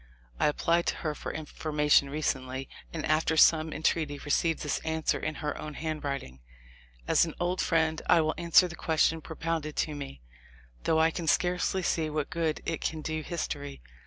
I applied to her for information recently, and after some entreaty re ceived this answer in her own handwriting: "As an old friend I will answer the question propounded to me, though I can scarcely see what good it can do history.